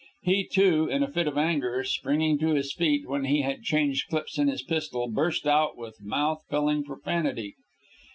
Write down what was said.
He, too, in a fit of anger, springing to his feet when he had changed clips in his pistol, burst out with mouth filling profanity.